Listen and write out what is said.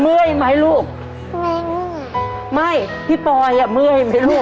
เมื่อยไหมลูกไม่พี่ปอยอ่ะเมื่อยไหมลูก